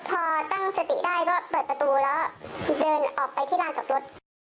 พอตั้งสติได้ก็เปิดประตูแล้วเดินออกไปที่ลานจอดรถ